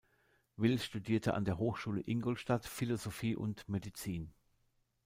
Will studierte an der Hochschule Ingolstadt Philosophie und Medizin.